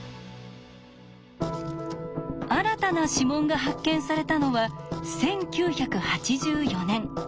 新たな指紋が発見されたのは１９８４年。